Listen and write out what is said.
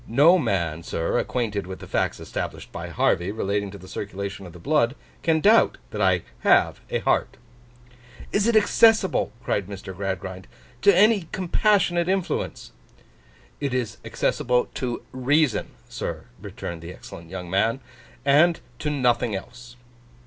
No man, sir, acquainted with the facts established by Harvey relating to the circulation of the blood, can doubt that I have a heart.' 'Is it accessible,' cried Mr. Gradgrind, 'to any compassionate influence?' 'It is accessible to Reason, sir,' returned the excellent young man. 'And to nothing else.